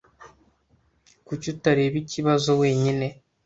Kuki utareba ikibazo wenyine?